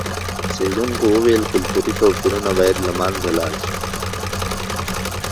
څېړونکي وویل چې کلتوري توپیرونه باید له منځه ولاړ سي.